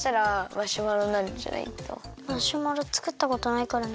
マシュマロつくったことないからな。